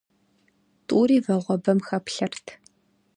Тӏури вагъуэбэм хэплъэрт.